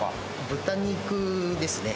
豚肉ですね。